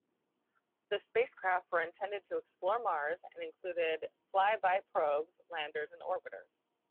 The spacecraft were intended to explore Mars, and included flyby probes, landers and orbiters.